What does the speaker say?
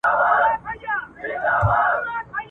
پخوا ټول بحثونه په فلسفه کي وو.